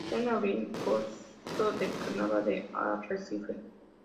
Suelen abrir el coso del carnaval de Arrecife.